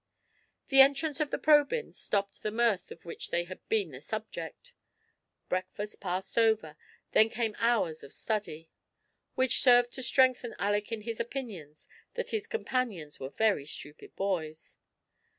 The entrance of the Probyns stopped the mirth of which they had been the subject. Breakfast passed over ; then came hours of study, which served to strengthen Aleck in his opinion that his companions were very stupid boys.